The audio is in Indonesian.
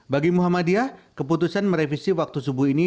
bagi muhammadiyah keputusan merevisi waktu subuh ini